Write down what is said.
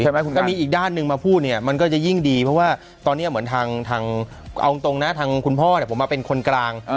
ก็มีอีกด้านหนึ่งมาพูดเนี่ยมันก็จะยิ่งดีเพราะว่าตอนนี้เหมือนทางเอาตรงนะทางคุณพ่อผมมาเป็นคนกลาง